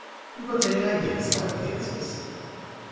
... You got any ideas about theatres?"